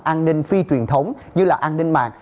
an ninh phi truyền thống như là an ninh mạng